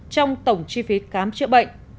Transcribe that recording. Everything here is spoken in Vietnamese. trong tổng chi phí cám chữa bệnh